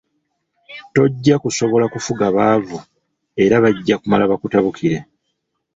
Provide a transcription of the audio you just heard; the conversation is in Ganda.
Tojja kusobola kufuga baavu era bajja kumala bakutabukire.